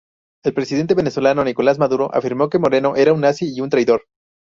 El presidente venezolano Nicolás Maduro afirmó que Moreno era un "nazi" y un "traidor".